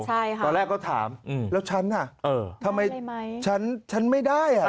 ตอนแรกก็ถามแล้วฉันอ่ะทำไมฉันไม่ได้อ่ะ